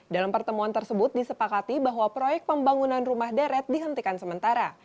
dalam pertemuan tersebut disepakati bahwa proyek pembangunan rumah deret dihentikan sementara